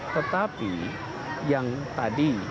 tetapi yang tadi